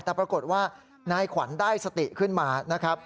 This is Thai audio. แต่ปรากฏว่านายขวัญได้สติขึ้นมานะครับ